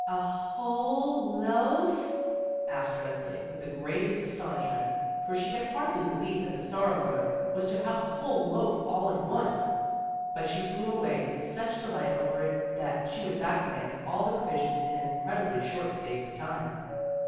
"A whole loaf?" asked Resli, with the greatest astonishment; for she could hardly believe that the Sorrow mother was to have a whole loaf all at once. But she flew away in such delight over it that she was back again with all the provisions in an incredibly short space of time.